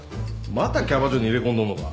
またキャバ嬢に入れ込んどんのか？